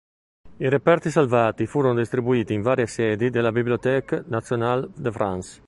I reperti salvati furono distribuiti in varie sedi della Bibliothèque nationale de France.